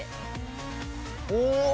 お！